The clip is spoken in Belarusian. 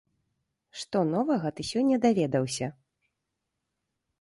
Што новага ты сёння даведаўся?